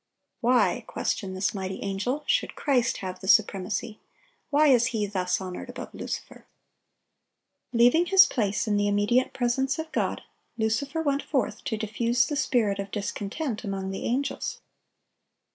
"Why," questioned this mighty angel, "should Christ have the supremacy? Why is He thus honored above Lucifer?" Leaving his place in the immediate presence of God, Lucifer went forth to diffuse the spirit of discontent among the angels.